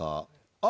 あ！